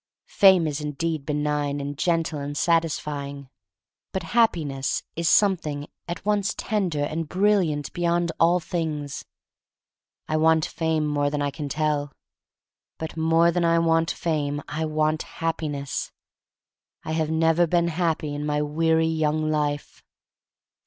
Fame is indeed benign and gentle and satisfying. But Happiness is some 23 r 24 THE STORY OF MARY MAC LANE thing at once tender and brilliant be yond all things. I want Fame more than I can tell. But more than I want Fame I want Happiness. I have never been happy in my weary young life.